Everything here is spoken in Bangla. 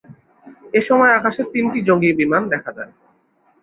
এসময় আকাশে তিনটি জঙ্গি বিমান দেখা যায়।